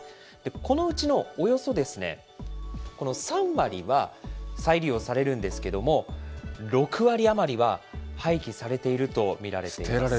このうちのおよそ、この３割は再利用されるんですけれども、６割余りは廃棄されていると見られています。